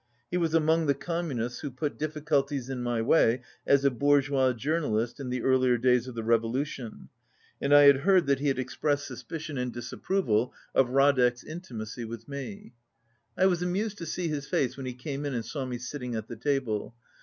He was among the Communists who put difficulties in my way as a "bourgeois jour nalist" in the earlier days of the revolution, and I had heard that he had expressed suspicion 17 and disapproval of Radek's intimacy with me. I was amused to see his face when he came in and saw me sitting at the table.